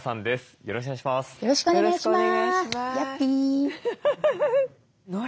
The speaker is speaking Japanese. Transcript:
よろしくお願いします。